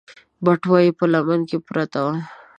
بټوه يې په لمن کې پرته وه.